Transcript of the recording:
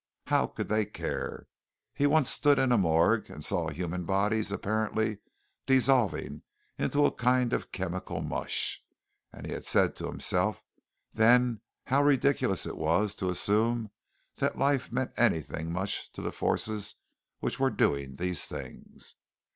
How could they care? He once stood in a morgue and saw human bodies apparently dissolving into a kind of chemical mush and he had said to himself then how ridiculous it was to assume that life meant anything much to the forces which were doing these things.